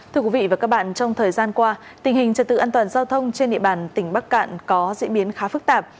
thưa quý vị và các bạn trong thời gian qua tình hình trật tự an toàn giao thông trên địa bàn tỉnh bắc cạn có diễn biến khá phức tạp